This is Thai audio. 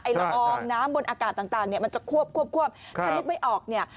ละอองน้ำบนอากาศต่างเนี่ยมันจะควบควบถ้านึกไม่ออกเนี่ย